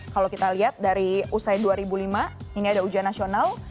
kalau kita lihat dari usai dua ribu lima ini ada ujian nasional